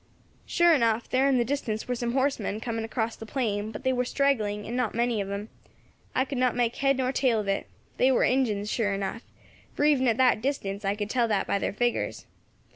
"Sure enough, there in the distance war some horsemen coming across the plain; but they war straggling, and not many of them. I could not make head nor tail of it. They war Injins, sure enough, for even at that distance I could tell that by their figures.